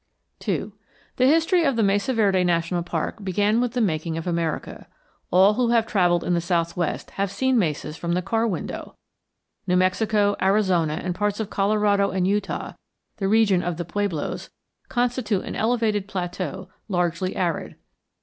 II The history of the Mesa Verde National Park began with the making of America. All who have travelled in the southwest have seen mesas from the car window. New Mexico, Arizona, and parts of Colorado and Utah, the region of the pueblos, constitute an elevated plateau largely arid.